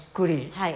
はい。